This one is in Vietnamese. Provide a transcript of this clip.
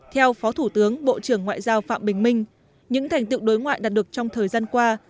theo phó thủ tướng bộ trưởng ngoại giao phạm bình minh những thành tựu đối ngoại đạt được trong thời gian qua